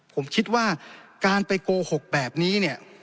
ผมคิดว่าการไปโกหกแบบนี้